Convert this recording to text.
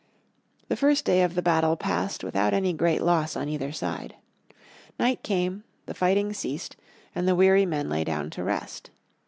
The first day of the battle passed without any great loss on either side. Night came, the fighting ceased, and the weary men lay down to rest.